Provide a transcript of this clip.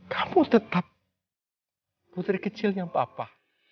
kamu tetap putri kecilnya papa